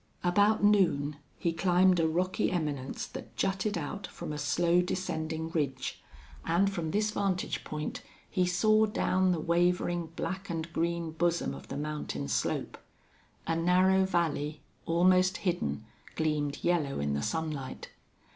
About noon he climbed a rocky eminence that jutted out from a slow descending ridge, and from this vantage point he saw down the wavering black and green bosom of the mountain slope. A narrow valley, almost hidden, gleamed yellow in the sunlight.